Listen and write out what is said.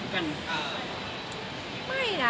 แต่คนทางเน็ตมองว่ามันถึงกัน